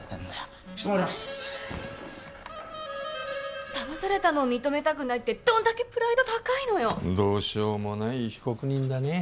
質問終わります騙されたのを認めたくないってどんだけプライド高いのよどうしようもない被告人だね